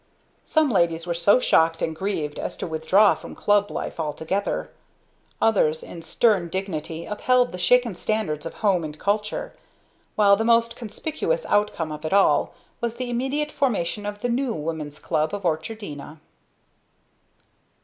Some ladies were so shocked and grieved as to withdraw from club life altogether. Others, in stern dignity, upheld the shaken standards of Home and Culture; while the most conspicuous outcome of it all was the immediate formation of the New Woman's Club of Orchardina.